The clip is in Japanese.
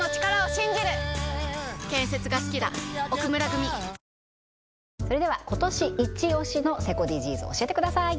過去最大の補助金もそれでは今年イチオシのセコＤＧｓ教えてください